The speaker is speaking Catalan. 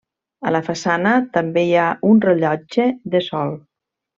A la façana també hi ha un rellotge de sol.